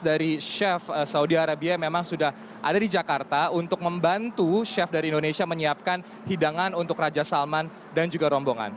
dari chef saudi arabia memang sudah ada di jakarta untuk membantu chef dari indonesia menyiapkan hidangan untuk raja salman dan juga rombongan